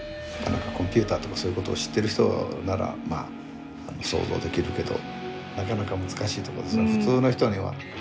なかなかコンピューターとかそういうことを知ってる人ならまあ想像できるけどなかなか難しいとこですね普通の人には。